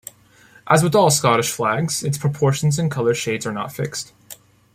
As with all Scottish flags, its proportions and colour shades are not fixed.